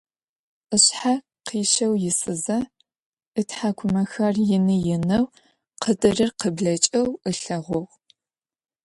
Ышъхьэ къищэу исызэ, ытхьакӀумэхэр ины-инэу къыдырыр къыблэкӀэу ылъэгъугъ.